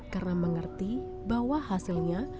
karena mengerti bahwa hasilnya